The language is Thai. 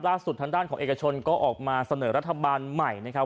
ทางด้านของเอกชนก็ออกมาเสนอรัฐบาลใหม่นะครับ